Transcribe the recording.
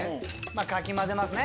かき混ぜますね。